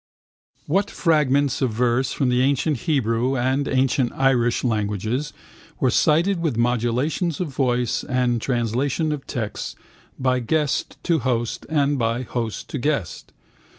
What fragments of verse from the ancient Hebrew and ancient Irish languages were cited with modulations of voice and translation of texts by guest to host and by host to guest?